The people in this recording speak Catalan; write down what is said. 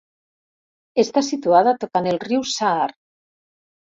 Està situada tocant el riu Saar.